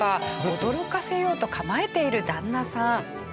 驚かせようと構えている旦那さん。